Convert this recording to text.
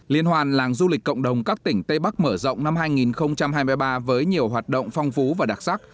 liên hoàn làng du lịch cộng đồng các tỉnh tây bắc mở rộng năm hai nghìn hai mươi ba với nhiều hoạt động phong phú và đặc sắc